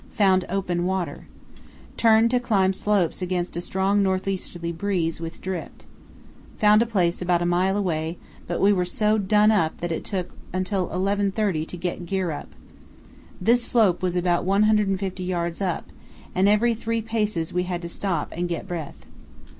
Found open water. Turned to climb slopes against a strong north easterly breeze with drift. Found a place about a mile away, but we were so done up that it took until 11.30 to get gear up. This slope was about 150 yds. up, and every three paces we had to stop and get breath.